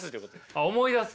あ思い出す。